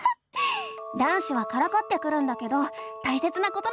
男子はからかってくるんだけどたいせつなことなんだよね。